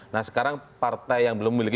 nah sekarang partai yang belum memiliki